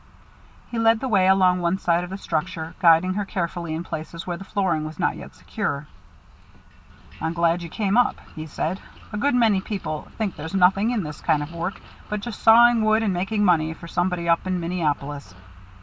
He led the way along one side of the structure, guiding her carefully in places where the flooring was not yet secure. "I'm glad you came up," he said. "A good many people think there's nothing in this kind of work but just sawing wood and making money for somebody up in Minneapolis.